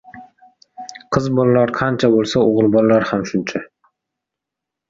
• Qiz bolalar qancha bo‘lsa, o‘g‘il bolalar ham shuncha.